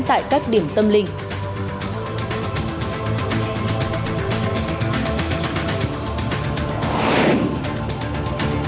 tại các điểm tâm linh